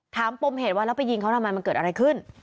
ปมเหตุว่าแล้วไปยิงเขาทำไมมันเกิดอะไรขึ้น